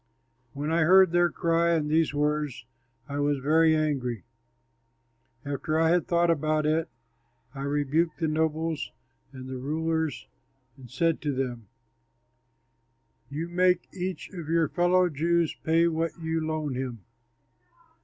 When I heard their cry and these words, I was very angry. After I had thought about it, I rebuked the nobles and the rulers and said to them, "You make each of your fellow Jews pay what you loan him."